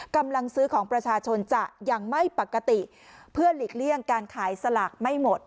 กำลังซื้อของประชาชนจะยังไม่ปกติเพื่อหลีกเลี่ยงการขายสลากไม่หมด